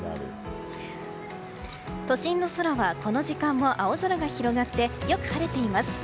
都心の空はこの時間も青空が広がってよく晴れています。